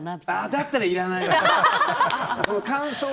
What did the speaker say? だったらいらないわ。